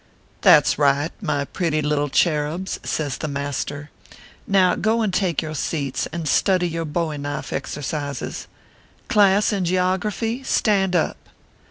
" That s right, my pretty little cherubs.," says the master. " Now go and take your seats, and study your bowie knife exercises. Class in Geography, stand up."